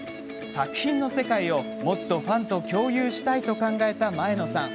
作品の世界を、もっとファンと共有したいと考えた前野さん。